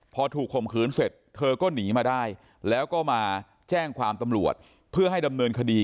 พอถูกข่มขืนเสร็จเธอก็หนีมาได้แล้วก็มาแจ้งความตำรวจเพื่อให้ดำเนินคดี